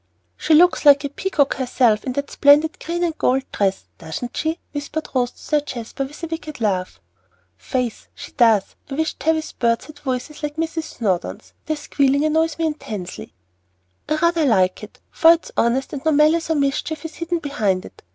"She looks like a peacock herself in that splendid green and gold dress, doesn't she?" whispered Rose to Sir Jasper, with a wicked laugh. "Faith, so she does. I wish Tavie's birds had voices like Mrs. Snowdon's; their squalling annoys me intensely." "I rather like it, for it is honest, and no malice or mischief is hidden behind it.